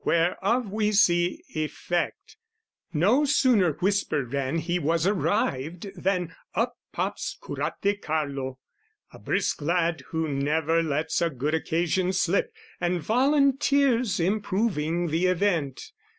whereof we see effect. No sooner whisper ran he was arrived Than up pops Curate Carlo, a brisk lad, Who never lets a good occasion slip, And volunteers improving the event.